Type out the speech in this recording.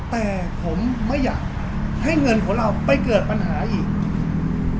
แต่ผมไม่อยากให้เงินของเราไปเกิดปัญหาอีก